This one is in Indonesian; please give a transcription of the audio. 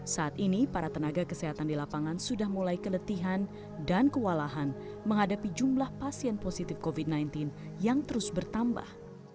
saat ini para tenaga kesehatan di lapangan sudah mulai keletihan dan kewalahan menghadapi jumlah pasien positif covid sembilan belas yang terus bertambah